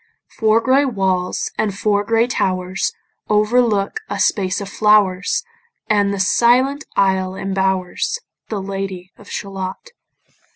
Four gray walls, and four gray towers, Overlook a space of flowers, And the silent isle imbowers The Lady of Shalott.